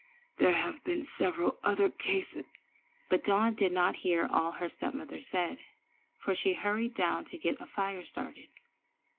There have been several other cases——" But Dawn did not hear all her step mother said, for she had hurried down to get a fire started.